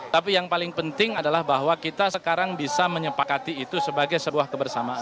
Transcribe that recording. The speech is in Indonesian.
tapi yang paling penting adalah bahwa kita sekarang bisa menyepakati itu sebagai sebuah kebersamaan